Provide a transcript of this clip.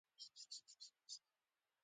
دا کار زموږ د ژبې او ادب د بډاینې لامل کیږي